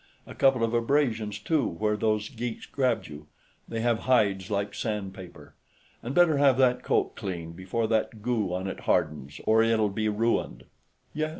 A couple of abrasions, too, where those geeks grabbed you; they have hides like sandpaper. And better have that coat cleaned, before that goo on it hardens, or it'll be ruined." "Yes.